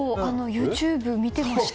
ＹｏｕＴｕｂｅ、見てました。